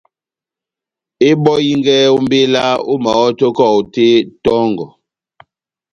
Ebɔhingé ó mbéla ómahɔ́to kahote tɔ́ngɔ